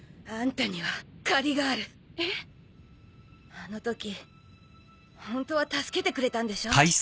あのときホントは助けてくれたんでしょ？